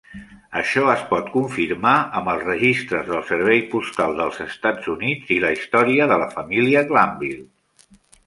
Això es pot confirmar amb els registres del Servei Postal dels Estats Units i la història de la família Glanville.